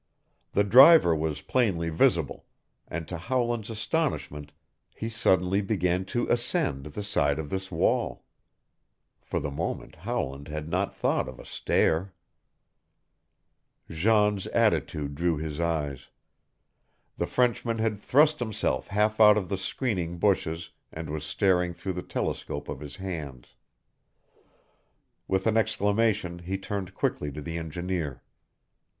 The driver was plainly visible, and to Howland's astonishment he suddenly began to ascend the side of this wall. For the moment Howland had not thought of a stair. Jean's attitude drew his eyes. The Frenchman had thrust himself half out of the screening bushes and was staring through the telescope of his hands. With an exclamation he turned quickly to the engineer.